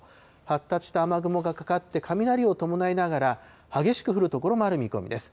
発達した雨雲がかかって、雷を伴いながら激しく降る所もある見込みです。